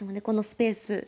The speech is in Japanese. このスペース。